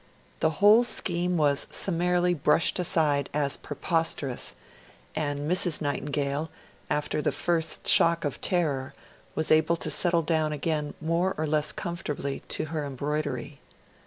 The whole scheme was summarily brushed aside as preposterous; and Mrs. Nightingale, after the first shock of terror, was able to settle down again more or less comfortably to her embroidery.